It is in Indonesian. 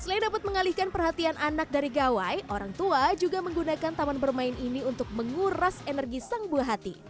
selain dapat mengalihkan perhatian anak dari gawai orang tua juga menggunakan taman bermain ini untuk menguras energi sang buah hati